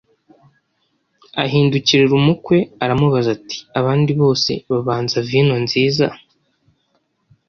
Ahindukirira umukwe, aramubaza ati, “Abandi bose babanza vino nziza,